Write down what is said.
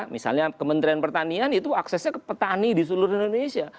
misalnya kementerian pertanian itu aksesnya ke petani di seluruh indonesia